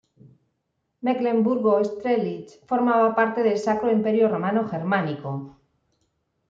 Mecklemburgo-Strelitz formaba parte del Sacro Imperio Romano Germánico.